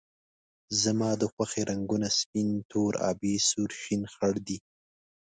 زما د خوښې رنګونه سپین، تور، آبي ، سور، شین ، خړ دي